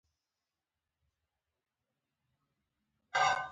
احمد وویل نوی نوم تتارا دی.